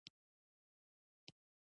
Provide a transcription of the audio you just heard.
په افغانستان کې ښارونه ډېر اهمیت لري.